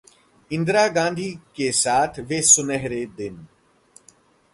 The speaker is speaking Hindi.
‘इंदिरा गांधी के साथ वे सुनहरे दिन’